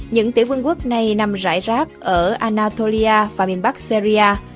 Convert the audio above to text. những tiểu vương quốc này nằm rải rác ở anatolia và miền bắc syria